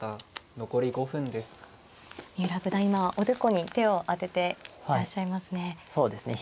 今おでこに手を当てていらっしゃいますね。